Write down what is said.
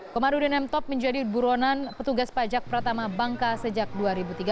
komarudin m top menjadi buronan petugas pajak pertama bangka sejak dua ribu tiga belas